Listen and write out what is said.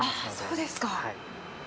そうですか。